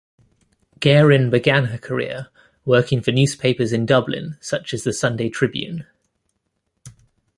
Guerin began her career working for newspapers in Dublin such as the "Sunday Tribune".